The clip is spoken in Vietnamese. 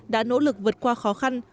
đã nỗ lực vượt qua khó khăn